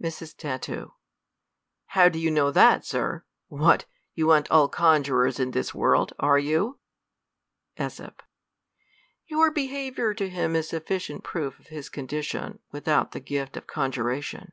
Mrs, Tat, How do you know that, Su' ? What, you an't all conjurers in this world, are you ? ^s. Your behaviour to hini is sufficient proof of his condition, without the gift of conjuration.